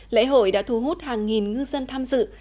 lễ hội đã thu hút hàng nghìn ngư dân tham dự